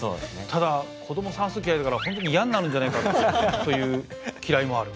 ただ子ども算数嫌いだから本当にいやになるんじゃないかというきらいもある。